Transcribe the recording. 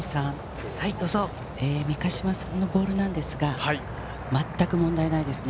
三ヶ島さんのボールですが、まったく問題ないですね。